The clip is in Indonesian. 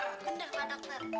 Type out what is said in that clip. rendah pak dokter